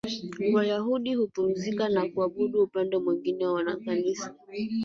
Wayahudi hupumzika na kuabudu Upande mwingine wanakanisa